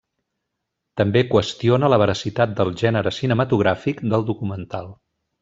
També qüestiona la veracitat del gènere cinematogràfic del documental.